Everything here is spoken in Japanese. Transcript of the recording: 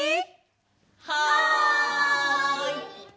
はい！